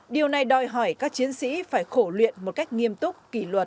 điều này đòi hỏi các chiến sĩ phải khổ luyện một cách nghiêm túc kỷ luật